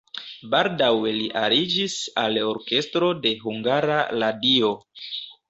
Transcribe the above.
Baldaŭe li aliĝis al orkestro de Hungara Radio.